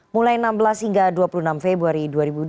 mulai enam belas hingga dua puluh enam februari dua ribu dua puluh